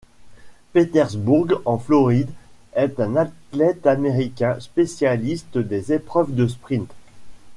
Petersburg en Floride, est un athlète américain, spécialiste des épreuves de sprint.